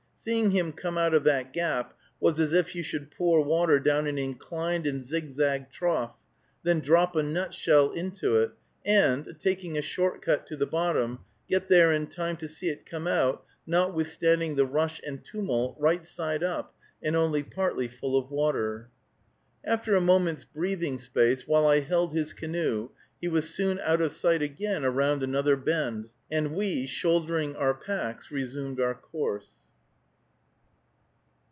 Seeing him come out of that gap was as if you should pour water down an inclined and zigzag trough, then drop a nutshell into it, and, taking a short cut to the bottom, get there in time to see it come out, notwithstanding the rush and tumult, right side up, and only partly full of water. After a moment's breathing space, while I held his canoe, he was soon out of sight again around another bend, and we, shouldering our packs, resumed our course.